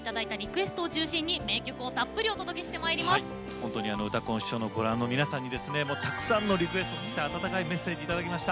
本当に「うたコン」ご覧の皆さんにですねたくさんのリクエストそして温かいメッセージ頂きました。